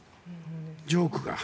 ジョークが。